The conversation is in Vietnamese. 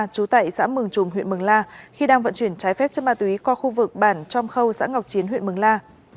chú tại xã mường trùm huyện mường la khi đang vận chuyển trái phép chất ma túy qua khu vực bản trong khâu xã ngọc chiến huyện mường la